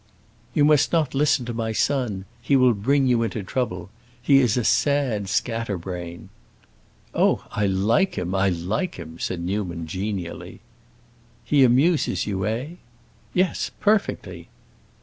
"You must not listen to my son; he will bring you into trouble. He is a sad scatterbrain." "Oh, I like him—I like him," said Newman, genially. "He amuses you, eh?" "Yes, perfectly."